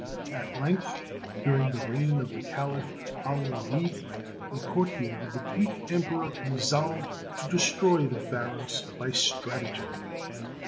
At length, during the reign of the Caliph Al Walid, a courtier of the Greek Emperor re solved to destroy the Pharos by stratagem.